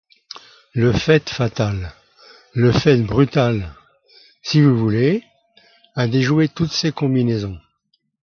Le fait fatal, le fait brutal, si vous voulez, a déjoué toutes ces combinaisons.